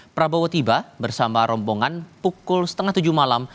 prabowo tiba bersama rombongan pukul setengah tujuh malam